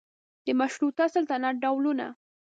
د مشروطه سلطنت ډولونه